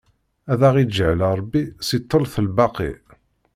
Ad aɣ-iǧɛel Ṛebbi si ttelt lbaqi!